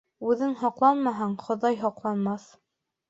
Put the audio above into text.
Үҙең һаҡланмаһаң, хоҙай һаҡламаҫ.